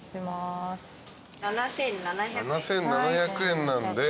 ７，７００円なんで。